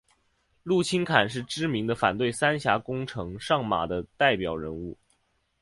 陆钦侃是知名的反对三峡工程上马的代表人物。